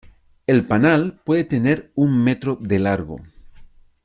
El panal puede tener un metro de largo.